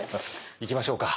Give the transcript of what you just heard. いきましょうか。